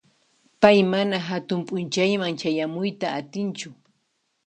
Pay mana hatun p'unchayman chayamuyta atinchu.